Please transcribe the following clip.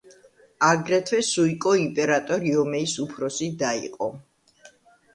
აგრეთვე სუიკო იმპერატორ იომეის უფროსი და იყო.